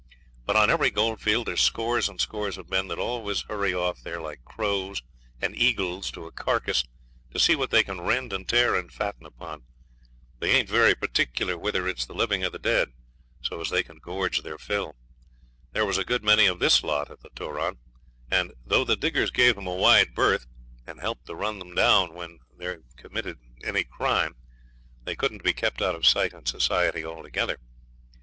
But on every goldfield there's scores and scores of men that always hurry off there like crows and eagles to a carcass to see what they can rend and tear and fatten upon. They ain't very particular whether it's the living or the dead, so as they can gorge their fill. There was a good many of this lot at the Turon, and though the diggers gave them a wide berth, and helped to run them down when they'd committed any crime, they couldn't be kept out of sight and society altogether.